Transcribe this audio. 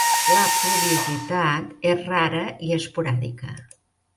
La pluviositat és rara i esporàdica.